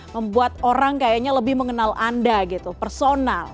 membuat orang kayaknya lebih mengenal anda gitu personal